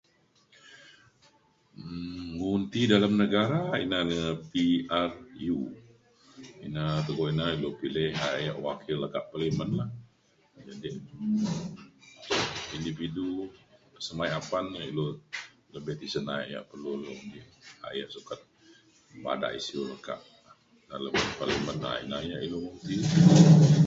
um un ti dalem negara ina na PRU, ina tegok ina ilu pilih a'ek yak wakil kak Parlimen jadek individu sengai apan yak lebih a'ek yak sukat bada pisu alem parlimen ina yak ilu